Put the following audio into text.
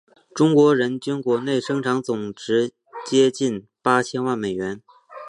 中国人均国内生产总值接近八千万美元。